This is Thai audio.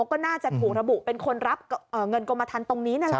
ก็น่าจะถูกระบุเป็นคนรับเงินกรมทันตรงนี้นั่นแหละ